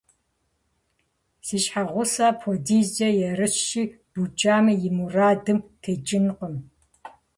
Си щхьэгъусэр апхуэдизкӏэ ерыщщи, букӀами и мурадым текӀынкъым.